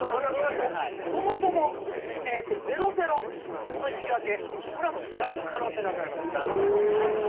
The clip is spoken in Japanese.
そもそも、０−０の引き分けはだいぶ可能性がなくなります。